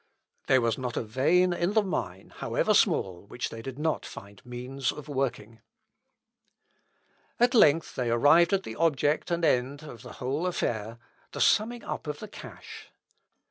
There was not a vein in the mine, however small, which they did not find means of working. Ibid., 69. At length they arrived at the object and end of the whole affair, the summing up of the cash.